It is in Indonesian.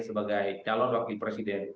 sebagai calon wakil presiden